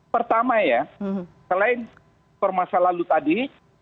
pertama ya selain permasalahan lalu tadi